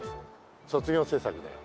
卒業制作だよ。